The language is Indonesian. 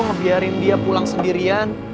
ngebiarin dia pulang sendirian